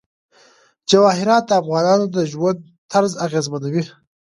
جواهرات د افغانانو د ژوند طرز اغېزمنوي.